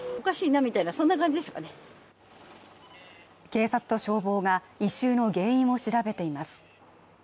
警察と消防が異臭の原因を調べています。